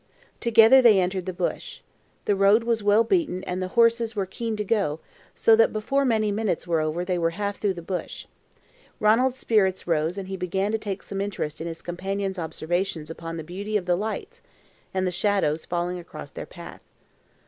Together they entered the bush. The road was well beaten and the horses were keen to go, so that before many minutes were over they were half through the bush. Ranald's spirits rose and he began to take some interest in his companion's observations upon the beauty of the lights and shadows falling across their path.